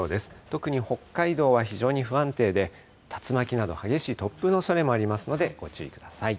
特に北海道は非常に不安定で、竜巻など激しい突風のおそれもありますので、ご注意ください。